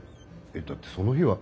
えっだってその日は。